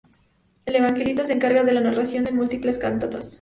El Evangelista se encarga de la narración en múltiples cantatas.